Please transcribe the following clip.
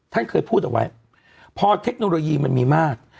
ท่านเคยพูดเอาไว้พอเทคโนโลยีมันมีมาก